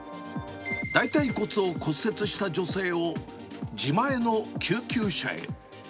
大たい骨を骨折した女性を自前の救急車へ。